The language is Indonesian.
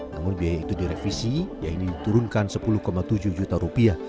namun biaya itu direvisi yaitu diturunkan sepuluh tujuh juta rupiah